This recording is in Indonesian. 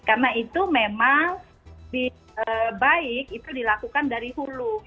karena itu memang baik itu dilakukan dari hulu